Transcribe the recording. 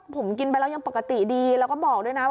ผมกินไปแล้วยังปกติดีแล้วก็บอกด้วยนะ